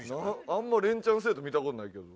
あんま連チャン制度見た事ないけど。